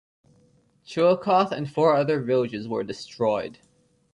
Chillicothe and four other villages were destroyed.